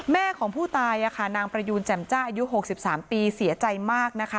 แม่ของผู้ตายนางประยูนแจ่มจ้าอายุ๖๓ปีเสียใจมากนะคะ